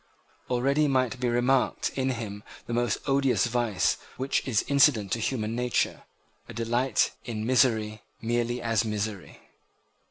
Already might be remarked in him the most odious vice which is incident to human nature, a delight in misery merely as misery.